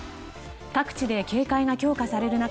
各地で警戒が強化される中